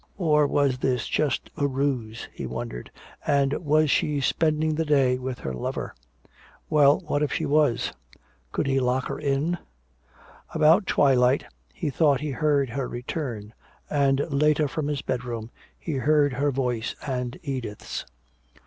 Or was this just a ruse, he wondered, and was she spending the day with her lover? Well, what if she was? Could he lock her in? About twilight he thought he heard her return, and later from his bedroom he heard her voice and Edith's.